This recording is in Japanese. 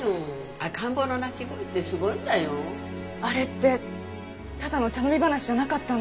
あれってただの茶飲み話じゃなかったんだ。